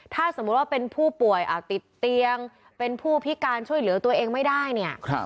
ถ้าสมมุติว่าเป็นผู้ป่วยติดเตียงเป็นผู้พิการช่วยเหลือตัวเองไม่ได้เนี่ย